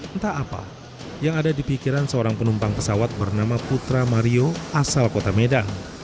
entah apa yang ada di pikiran seorang penumpang pesawat bernama putra mario asal kota medan